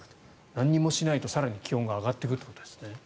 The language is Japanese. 何もしないと更に気温が上がっていくということですね。